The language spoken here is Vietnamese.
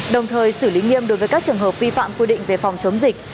đồng thời xử lý nghiêm đối với các trường hợp vi phạm quy định về phòng chống dịch